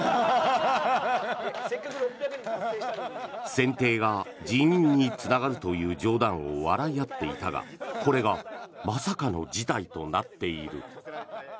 選定が辞任につながるという冗談を笑い合っていたがこれがまさかの事態となっている。